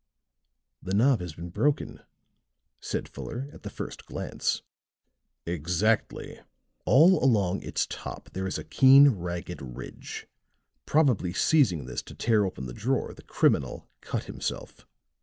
"The knob has been broken," said Fuller at the first glance. "Exactly. All along its top there is a keen ragged ridge. Probably seizing this to tear open the drawer, the criminal cut himself."